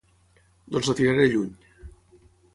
Doncs la tiraré lluny.